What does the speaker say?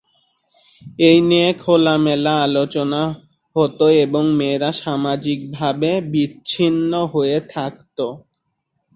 এই নিয়ে খোলামেলা আলোচনা হত এবং মেয়েরা সামাজিকভাবে বিচ্ছিন্ন হয়ে থাকত।